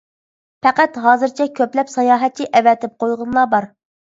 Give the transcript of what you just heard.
پەقەت ھازىرچە كۆپلەپ ساياھەتچى ئەۋەتىپ قويغىنىلا بار.